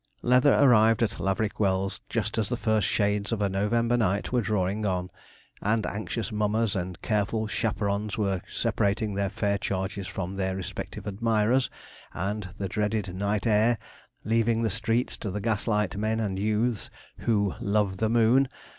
Leather arrived at Laverick Wells just as the first shades of a November night were drawing on, and anxious mammas and careful chaperons were separating their fair charges from their respective admirers and the dreaded night air, leaving the streets to the gaslight men and youths 'who love the moon.'